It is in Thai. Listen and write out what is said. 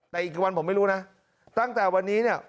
แต่อีกวันผมไม่รู้นะตั้งแต่วันนี้เนี่ย